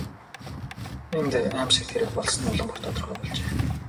Энд аймшигт хэрэг болсон нь улам бүр тодорхой болжээ.